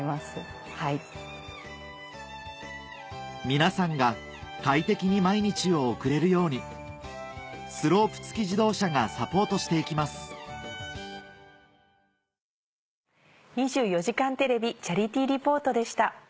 皆さんが快適に毎日を送れるようにスロープ付き自動車がサポートして行きます「２４時間テレビチャリティー・リポート」でした。